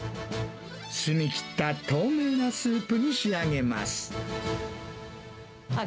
澄み切った透明なスープに仕上げます。